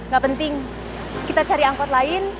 gak penting kita cari angkot lain